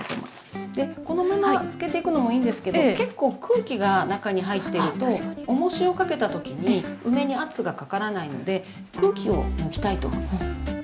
このまま漬けていくのもいいんですけど結構空気が中に入ってるとおもしをかけた時に梅に圧がかからないので空気を抜きたいと思います。